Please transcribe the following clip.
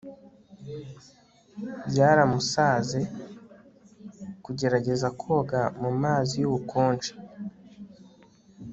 byaramusaze kugerageza koga mumazi yubukonje